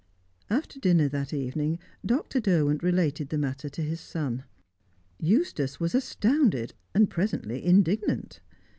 After dinner that evening, Dr. Derwent related the matter to his son. Eustace was astounded, and presently indignant.